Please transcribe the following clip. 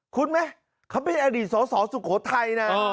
เขาเคยไปในอดีตศอสอสุโขทัยนะ